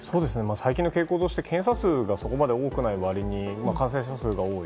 最近の傾向として検査数がそこまで多くない割に感染者が多い。